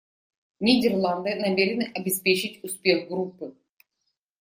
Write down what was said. Нидерланды намерены обеспечить успех группы.